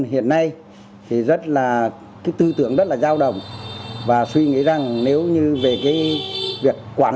hiểu rõ hơn với những thủ đoạn